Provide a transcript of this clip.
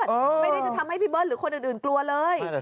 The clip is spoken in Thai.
ไม่ได้จะทำให้พี่เบิ้ลหรือคนอื่นกลัวเลย